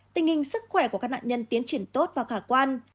tình hình sức khỏe của các nạn nhân tiến triển tốt và khả quan